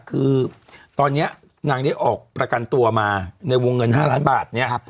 คือตอนนี้นางได้ออกประกันตัวมาในวงเงิน๕ล้านบาทเนี่ย